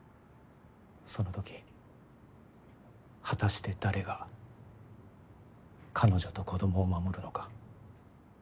そのとき果たして誰が彼女と子供を守るのか。